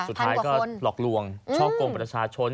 สุดท้ายก็หลอกลวงช่อกงประชาชน